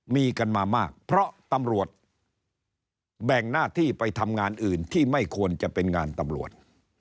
มีกันมามากเพราะตำรวจแบ่งหน้าที่ไปทำงานอื่นที่ไม่ควรจะเป็นงานตำรวจ